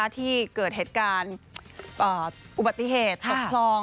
ที่เกิดเหตุการณ์อุบัติเหตุตกคลอง